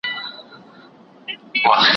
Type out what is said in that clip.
زه به د يادښتونه بشپړ کړي وي،